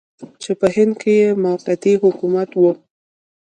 چې په هند کې موقتي حکومت و.